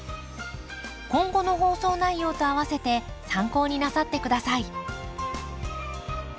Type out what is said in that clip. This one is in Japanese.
今後の放送内容とあわせて参考になさって下さい。